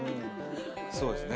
そうですね